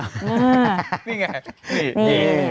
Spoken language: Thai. นี่ไงนี่นี่